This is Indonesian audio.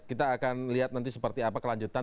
kita akan lihat nanti seperti apa kelanjutan